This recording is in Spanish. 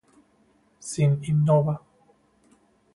Sin innova!